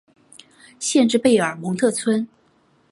县治贝尔蒙特村。